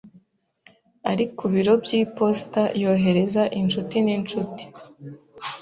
Ari ku biro by'iposita yohereza inshuti inshuti.